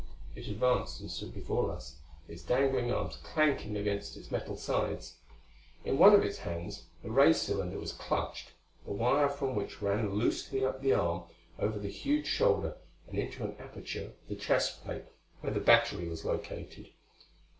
It advanced, and stood before us, its dangling arms clanking against its metal sides. In one of its hands the ray cylinder was clutched, the wire from which ran loosely up the arm, over the huge shoulder and into an aperture of the chest plate where the battery was located.